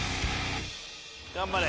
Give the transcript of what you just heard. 頑張れ！